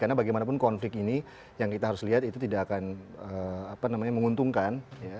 karena bagaimanapun konflik ini yang kita harus lihat itu tidak akan menguntungkan